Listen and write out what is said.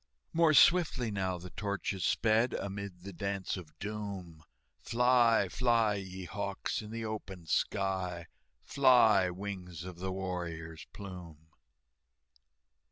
More swiftly now the torches sped, Amid the Dance of Doom, "Fly, fly, ye hawks, in the open sky, Fly, wings of the warrior's plume!"